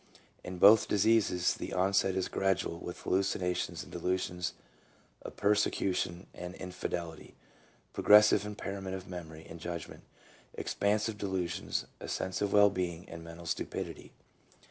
In both diseases the onset is gradual with hallucinations and delusions of persecution and in fidelity, progressive impairment of memory and judgment, expansive delusions, a sense of well being and mental stupidity.